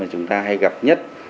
chúng ta hay gặp nhất